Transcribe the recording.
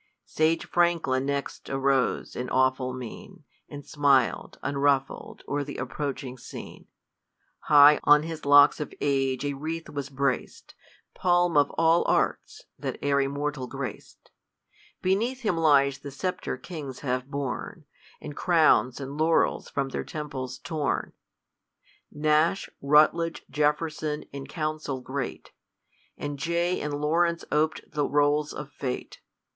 Sage Franklin next arose, in awful mien, And smil'd, unruffled, o'er th' approaching scene ; High, on his locks of age, a wreath was brac'd. Palm of all arts, that e'er a mortal grac'd ; Beneath him lies the sceptre kings have borne, And crowns and laurels from thcii' temples torn. Nash, Rutledge, Je^erson, in council great, And Jay and Laurens op'd the rolls of fate.